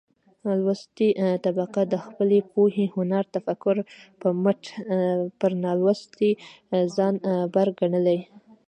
لوستې طبقه د خپلې پوهې، هنر ،تفکر په مټ پر نالوستې ځان بر ګنلى دى.